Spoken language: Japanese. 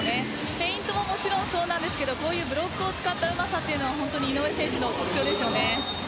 フェイントももちろんそうなんですがこういうブロックを使ったうまさは井上選手の特徴ですよね。